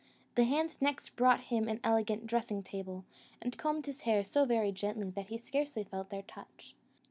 The hands next brought him an elegant dressing table, and combed his hair so very gently that he scarcely felt their touch.